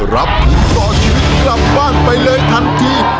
รับทุนต่อชีวิตกลับบ้านไปเลยทันที